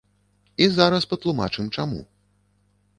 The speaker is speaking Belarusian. І зараз патлумачым чаму.